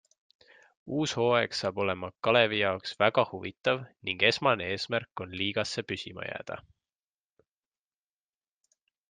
Uus hooaeg saab olema Kalevi jaoks väga huvitav ning esmane eesmärk on liigasse püsima jääda.